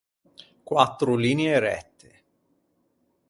Quattro linie rette.